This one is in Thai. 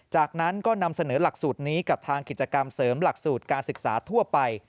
จากนั้นก็นำเสนอหลักสูตรนี้กับทางกิจกรรมเสริมหลักสูตรการศึกษาทั่วไป